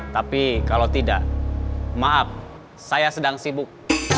tapi kalau tidak maaf saya sedang sibuk